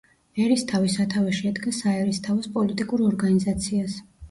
ერისთავი სათავეში ედგა საერისთავოს პოლიტიკურ ორგანიზაციას.